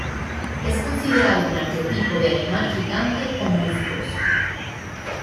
Es considerado un arquetipo de animal gigante o monstruoso.